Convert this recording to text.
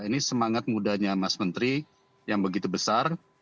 ini semangat mudanya mas menteri yang begitu besar